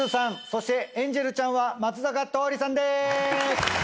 そしてエンジェルちゃんは松坂桃李さんでーす！